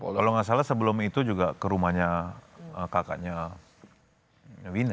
kalau nggak salah sebelum itu juga ke rumahnya kakaknya wina